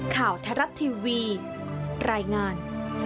ข่าวทรัพย์ทีวีรายงาน